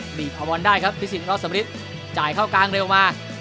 หนีบเอาบอลได้ครับพิสิทธิรอดสำริทจ่ายเข้ากลางเร็วมา